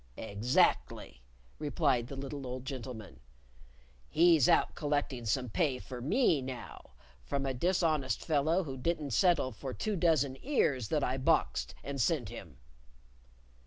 "Exactly," replied the little old gentleman. "He's out collecting some pay for me now from a dishonest fellow who didn't settle for two dozen ears that I boxed and sent him."